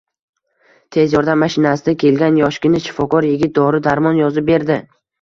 Tez yordam mashinasida kelgan yoshgina shifokor yigit dori-darmon yozib berdi